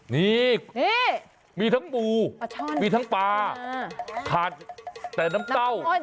นี่มีทั้งปูนมีทั้งปลาขาดแต่น้ำเต้า